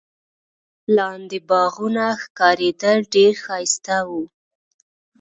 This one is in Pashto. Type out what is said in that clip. لاندي باغونه ښکارېدل، ډېر ښایسته وو.